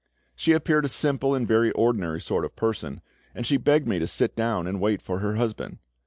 She appeared a simple and very ordinary sort of person, and she begged me to sit down and wait for her husband.